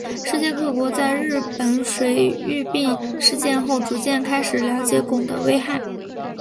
世界各国在日本水俣病事件后逐渐开始了解汞的危害。